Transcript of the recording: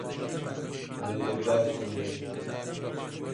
Min li ba kiriye.